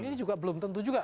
ini juga belum tentu juga